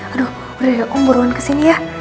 aduh berada om buruan kesini ya